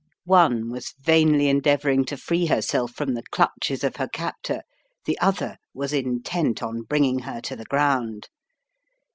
One was vainly endeavouring to free herself from the clutches of her captor, the other was intent on bringing her to the ground.